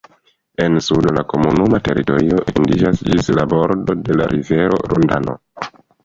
En sudo la komunuma teritorio etendiĝas ĝis la bordo de la rivero Rodano.